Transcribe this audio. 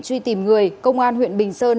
truy tìm người công an huyện bình sơn